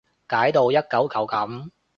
解到一舊舊噉